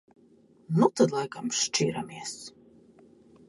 Nu tad laikam šķiramies.